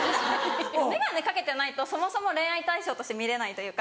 眼鏡掛けてないとそもそも恋愛対象として見れないというか。